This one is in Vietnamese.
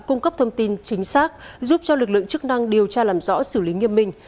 cung cấp thông tin chính xác giúp cho lực lượng chức năng điều tra làm rõ xử lý nghiêm minh